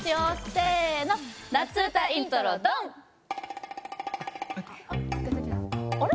せーの夏うたイントロＤＯＮ！あれ？